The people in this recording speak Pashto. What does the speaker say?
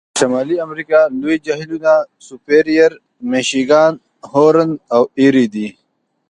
د شمالي امریکا لوی جهیلونه سوپریر، میشیګان، هورن او ایري دي.